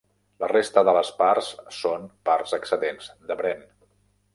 La resta de les parts són parts excedents de Bren.